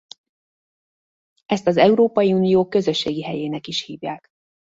Ezt az Európai Unió közösségi helyének is hívják.